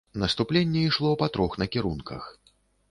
Наступленне ішло па трох накірунках.